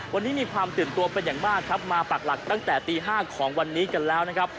วันนี้มีความตื่นตัวเป็นอย่างมากครับมาปักหลักตั้งแต่ตี๕ของวันนี้กันแล้วนะครับ